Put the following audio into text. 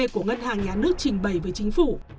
của ngân hàng nhà nước trình bày với chính phủ